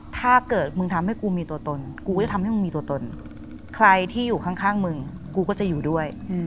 ถ้าเกิดมึงทำให้กูมีตัวตนกูก็จะทำให้มึงมีตัวตนใครที่อยู่ข้างมึงกูก็จะอยู่ด้วย